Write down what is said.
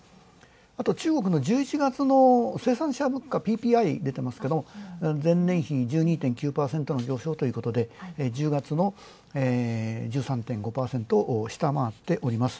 あと中国の１１月の生産者物価ＰＰＩ出てますが前年比１２．９％の上昇ということで、１０月の１３．５％を下回ったおります。